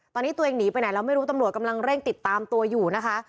ตอนนี้ตัวเองหนีไปไหนแล้วไม่รู้ตำรวจกำลังเร่งติดตามตัวอยู่นะคะ